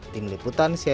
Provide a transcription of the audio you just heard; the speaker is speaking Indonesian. tim liputan cnn indonesia